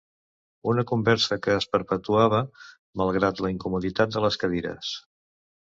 Una conversa que es perpetuava malgrat la incomoditat de les cadires.